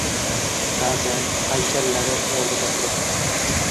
Ba’zan haykallari oldida turib